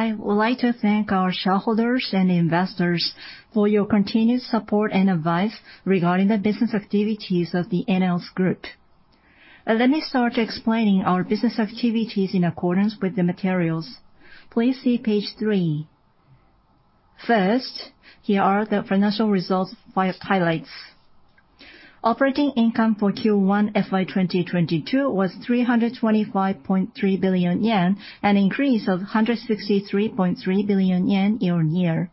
I would like to thank our shareholders and investors for your continued support and advice regarding the business activities of the ENEOS Group. Let me start explaining our business activities in accordance with the materials. Please see page 3. First, here are the financial results highlights. Operating income for Q1 FY2022 was ¥325.3 billion, an increase of ¥163.3 billion year-on-year.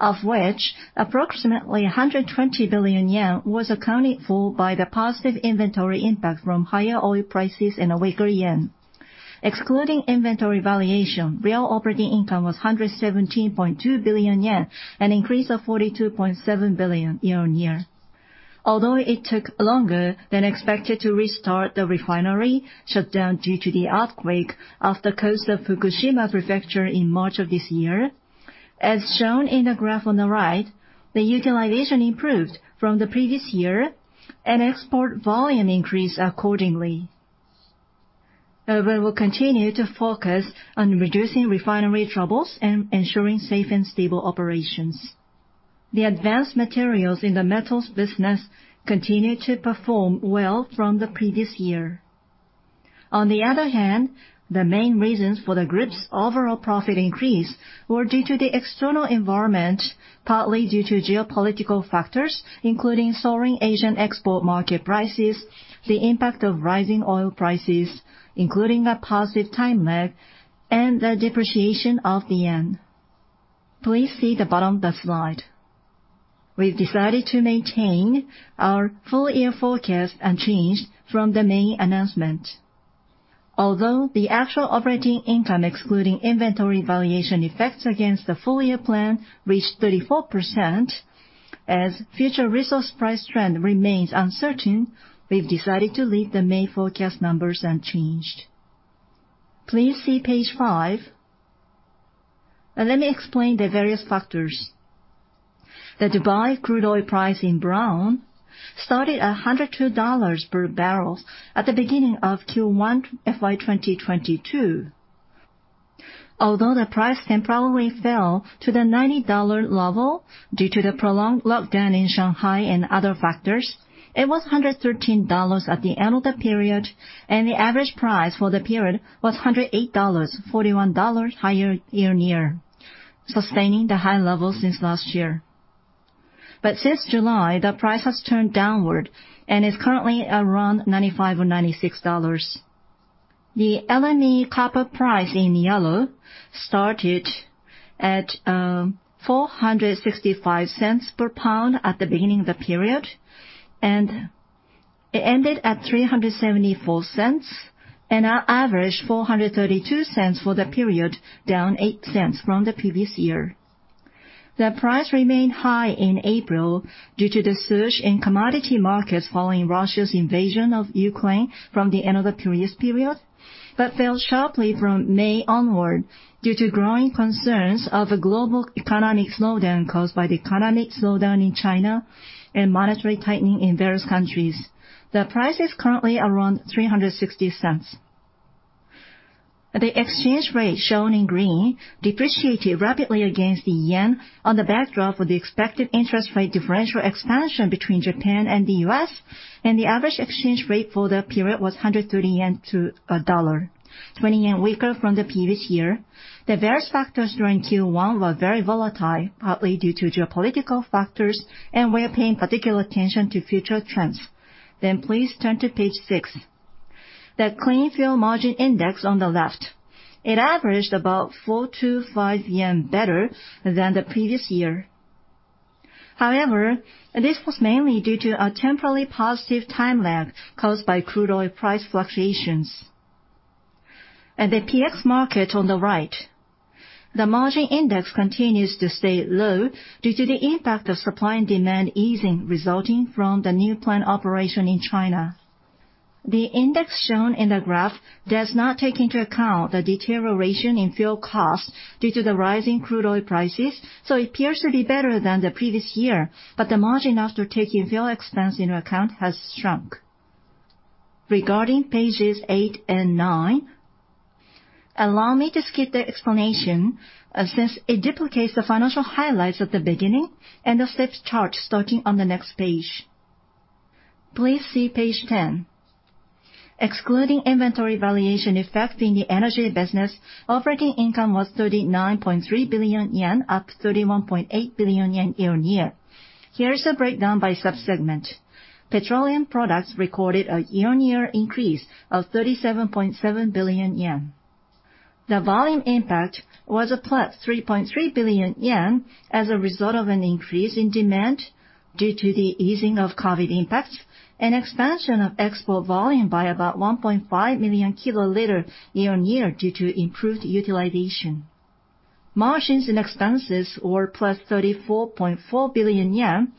Of which, approximately ¥120 billion was accounted for by the positive inventory impact from higher oil prices and a weaker yen. Excluding inventory valuation, real operating income was ¥117.2 billion, an increase of ¥42.7 billion year-on-year. Although it took longer than expected to restart the refinery shut down due to the earthquake off the coast of Fukushima Prefecture in March of this year, as shown in the graph on the right, the utilization improved from the previous year and export volume increased accordingly. We will continue to focus on reducing refinery troubles and ensuring safe and stable operations. The advanced materials in the metals business continued to perform well from the previous year. On the other hand, the main reasons for the group's overall profit increase were due to the external environment, partly due to geopolitical factors, including soaring Asian export market prices, the impact of rising oil prices, including a positive time lag, and the depreciation of the yen. Please see the bottom of the slide. We've decided to maintain our full-year forecast unchanged from the May announcement. Although the actual operating income, excluding inventory valuation effects against the full-year plan, reached 34%, as future resource price trend remains uncertain, we've decided to leave the May forecast numbers unchanged. Please see page 5. Let me explain the various factors. The Dubai crude oil price in brown started at $102 per barrel at the beginning of Q1 FY2022. Although the price temporarily fell to the $90 level due to the prolonged lockdown in Shanghai and other factors, it was $113 at the end of the period, and the average price for the period was $108, $41 higher year-on-year, sustaining the high level since last year. Since July, the price has turned downward and is currently around $95 or $96. The LME copper price in yellow started at $4.65 per pound at the beginning of the period, and it ended at $3.74, and an average $4.32 for the period, down $0.08 from the previous year. The price remained high in April due to the surge in commodity markets following Russia's invasion of Ukraine from the end of the previous period, but fell sharply from May onward due to growing concerns of a global economic slowdown caused by the economic slowdown in China and monetary tightening in various countries. The price is currently around $3.60. The exchange rate shown in green depreciated rapidly against the yen on the backdrop of the expected interest rate differential expansion between Japan and the U.S., and the average exchange rate for the period was 130 yen to a dollar, 20 yen weaker from the previous year. The various factors during Q1 were very volatile, partly due to geopolitical factors, and we're paying particular attention to future trends. Please turn to page 6. The clean fuel margin index on the left, it averaged about 4-5 yen better than the previous year. However, this was mainly due to a temporarily positive time lag caused by crude oil price fluctuations. The PX market on the right, the margin index continues to stay low due to the impact of supply and demand easing resulting from the new plant operation in China. The index shown in the graph does not take into account the deterioration in fuel costs due to the rising crude oil prices, so it appears to be better than the previous year, but the margin after taking fuel expense into account has shrunk. Regarding pages 8 and 9, allow me to skip the explanation, since it duplicates the financial highlights at the beginning and the steps chart starting on the next page. Please see page 10. Excluding inventory valuation effect in the energy business, operating income was ¥39.3 billion, up ¥31.8 billion year-on-year. Here is the breakdown by sub-segment. Petroleum products recorded a year-on-year increase of ¥37.7 billion. The volume impact was +¥3.3 billion as a result of an increase in demand due to the easing of COVID impacts and expansion of export volume by about 1.5 million kiloliter year-on-year due to improved utilization. Margins and expenses were +¥34.4 billion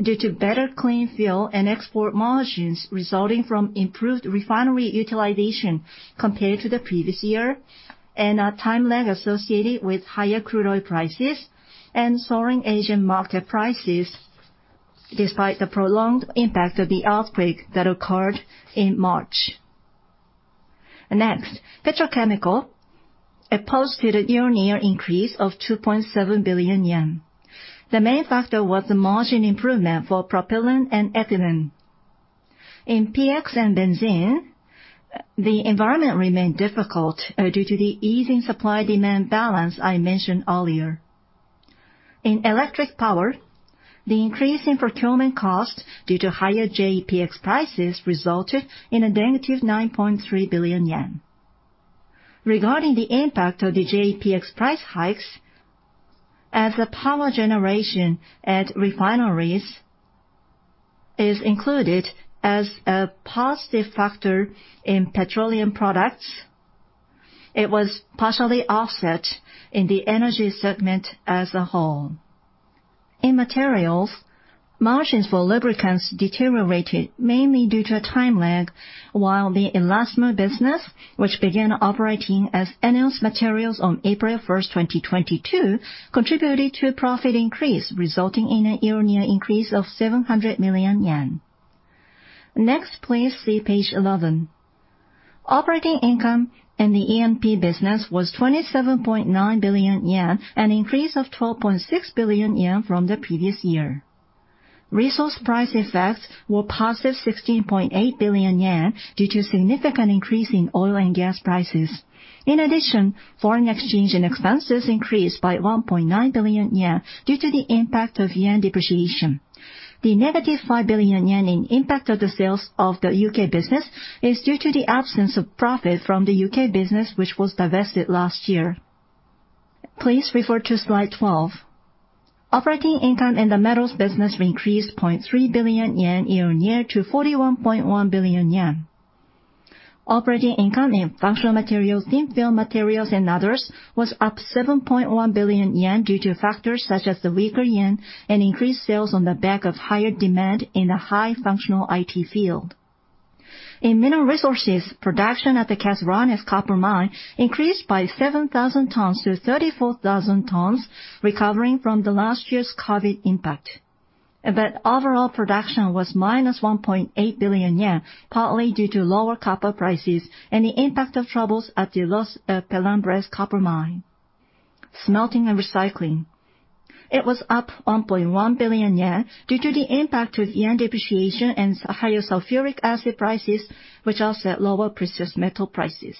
due to better clean fuel and export margins resulting from improved refinery utilization compared to the previous year, and a time lag associated with higher crude oil prices and soaring Asian market prices. Despite the prolonged impact of the earthquake that occurred in March. Next, petrochemical. It posted a year-on-year increase of ¥2.7 billion. The main factor was the margin improvement for propylene and ethylene. In PX and benzene, the environment remained difficult, due to the easing supply-demand balance I mentioned earlier. In electric power, the increase in procurement costs due to higher JEPX prices resulted in -¥9.3 billion. Regarding the impact of the JEPX price hikes as a power generation at refineries is included as a positive factor in petroleum products, it was partially offset in the energy segment as a whole. In materials, margins for lubricants deteriorated mainly due to a time lag, while the elastomer business, which began operating as ENEOS Materials on April 1, 2022, contributed to a profit increase, resulting in a year-on-year increase of ¥700 million. Next, please see page 11. Operating income in the E&P business was ¥27.9 billion, an increase of ¥12.6 billion from the previous year. Resource price effects were +¥16.8 billion due to significant increase in oil and gas prices. Foreign exchange and expenses increased by ¥1.9 billion due to the impact of yen depreciation. The negative ¥5 billion in impact of the sales of the UK business is due to the absence of profit from the UK business, which was divested last year. Please refer to slide 12. Operating income in the metals business increased 0.3 billion yen year-on-year to ¥41.1 billion. Operating income in functional materials, thin film materials, and others was up ¥7.1 billion due to factors such as the weaker yen and increased sales on the back of higher demand in the high functional IT field. In mineral resources, production at the Caserones copper mine increased by 7,000 tons to 34,000 tons, recovering from last year's COVID impact. Overall production was -¥1.8 billion, partly due to lower copper prices and the impact of troubles at the Los Pelambres copper mine. Smelting and recycling. It was up ¥1.1 billion due to the impact of yen depreciation and higher sulfuric acid prices, which offset lower precious metal prices.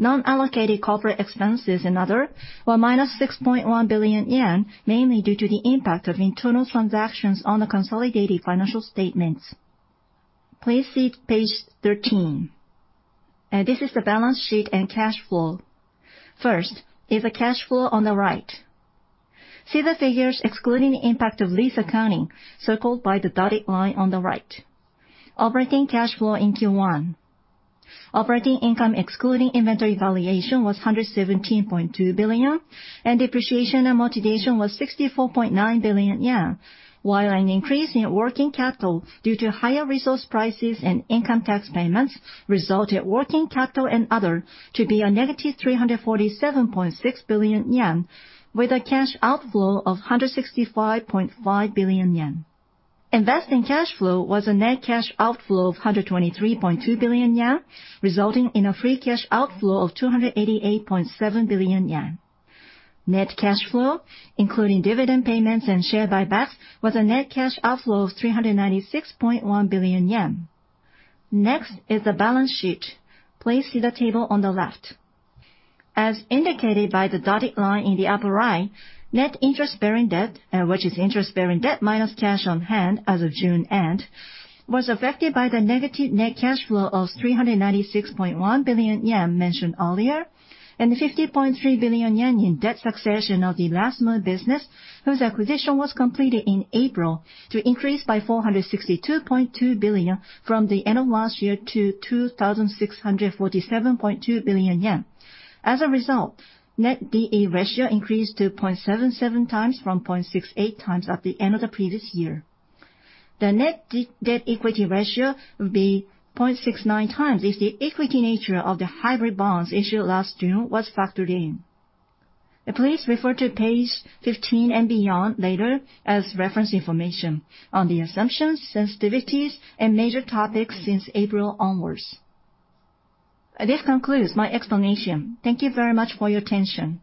Non-allocated corporate expenses and other were -¥6.1 billion, mainly due to the impact of internal transactions on the consolidated financial statements. Please see page 13. This is the balance sheet and cash flow. First is the cash flow on the right. See the figures excluding the impact of lease accounting circled by the dotted line on the right. Operating cash flow in Q1. Operating income excluding inventory valuation was ¥117.2 billion, and depreciation and amortization was ¥64.9 billion, while an increase in working capital due to higher resource prices and income tax payments resulted in working capital and other to be a negative ¥347.6 billion, with a cash outflow of ¥165.5 billion. Invested cash flow was a net cash outflow of ¥123.2 billion, resulting in a free cash outflow of ¥288.7 billion. Net cash flow, including dividend payments and share buybacks, was a net cash outflow of ¥396.1 billion. Next is the balance sheet. Please see the table on the left. As indicated by the dotted line in the upper right, net interest-bearing debt, which is interest-bearing debt minus cash on hand as of June end, was affected by the negative net cash flow of ¥396.1 billion mentioned earlier, and ¥50.3 billion in debt succession of the elastomer business, whose acquisition was completed in April, to increase by ¥462.2 billion from the end of last year to ¥2,647.2 billion. As a result, net D/E ratio increased to 0.77x from 0.68x at the end of the previous year. The net D/E ratio would be 0.69x if the equity nature of the hybrid bonds issued last June was factored in. Please refer to page 15 and beyond later as reference information on the assumptions, sensitivities, and major topics since April onwards. This concludes my explanation. Thank you very much for your attention.